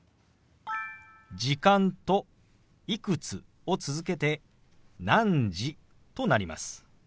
「時間」と「いくつ」を続けて「何時」となります。